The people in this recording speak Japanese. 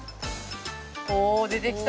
おお出てきた！